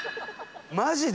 マジで？